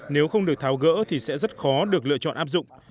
nếu không được tháo gỡ thì sẽ rất khó được lựa chọn áp dụng